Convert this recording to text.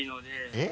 えっ？